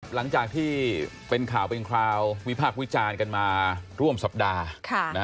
หลังจากที่เป็นข่าวเป็นคราววิพากษ์วิจารณ์กันมาร่วมสัปดาห์